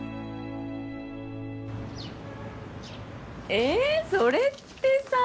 えそれってさ。